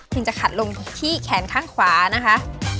จะขัดลงที่แขนข้างขวานะคะ